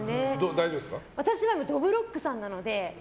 私はどぶろっくさんなので。